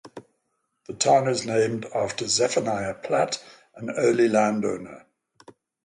The town is named after Zephaniah Platt, an early land owner.